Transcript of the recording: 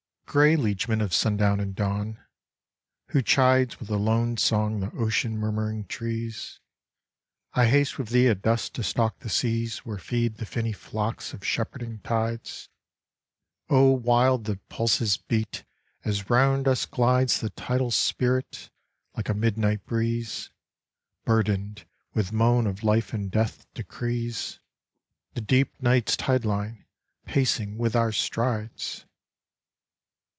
Grey liegeman of sundown and dawn, who chides With a lone song the ocean murmuring trees, I haste with thee at dusk to stalk the seas Where feed the finny flocks of shepherding tides. O wild the pulses beat as round us glides The tidal spirit, like a midnight breeze, Burdened with moan of life and death decrees, The deep night's tide line pacing with our strides!